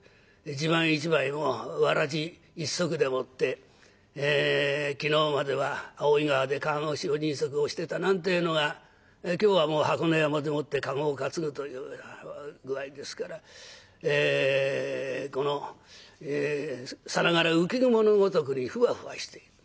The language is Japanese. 一晩一晩もうわらじ一足でもって昨日までは大井川で川越人足をしてたなんてのが今日はもう箱根山でもって駕籠を担ぐという具合ですからこのさながら浮き雲のごとくにふわふわしている。